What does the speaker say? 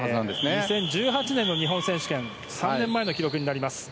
２０１８年の日本選手権３年前の記録です。